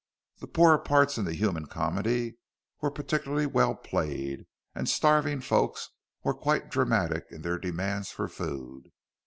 The poorer parts in the human comedy were particularly well played, and starving folks were quite dramatic in their demands for food.